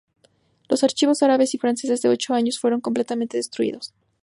Los archivos árabes y franceses de ocho años fueron completamente destruidos.